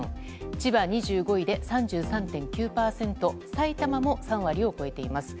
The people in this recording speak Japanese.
千葉２５位で３３．９％埼玉も３割を超えています。